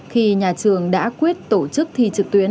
khi nhà trường đã quyết tổ chức thi trực tuyến